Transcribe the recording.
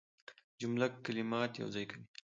جمله کلمات یوځای کوي.